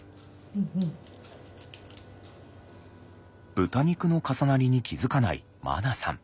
豚肉の重なりに気付かないまなさん。